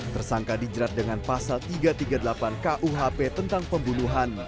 tersangka dijerat dengan pasal tiga ratus tiga puluh delapan kuhp tentang pembunuhan